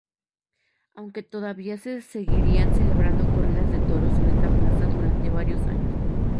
Aunque todavía se seguirían celebrando corridas de toros en esta plaza durante varios años.